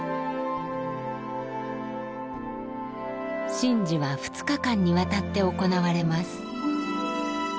神事は２日間にわたって行われます。